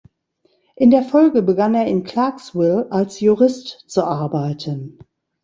In der Folge begann er in Clarksville als Jurist zu arbeiten.